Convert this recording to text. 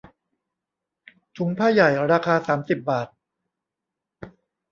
ถุงผ้าใหญ่ ราคาสามสิบบาท